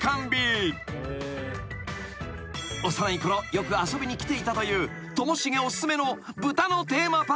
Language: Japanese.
［幼いころよく遊びに来ていたというともしげお薦めの］